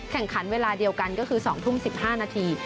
แข่งขันเวลาเดียวกันก็คือ๒ทุ่ม๑๕นาที